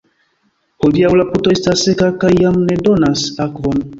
Hodiaŭ la puto estas seka kaj jam ne donas akvon.